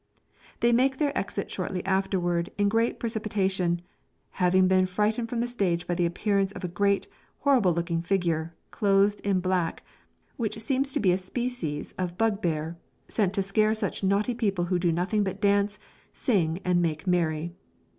They make their exit shortly afterward in great precipitation, having been frightened from the stage by the appearance of a great, horrible looking figure, clothed in black, which seems to be a species of bug bear, sent to scare such naughty people who do nothing but dance, sing and make merry.